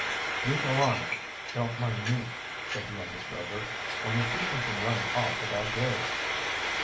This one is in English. "You go on, don't mind me," said the youngest Rover. "Only keep them from running off with our goods."